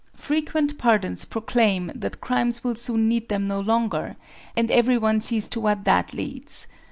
Frequent pardons proclaim that crimes will soon need them no longer, and every one sees to what that leads.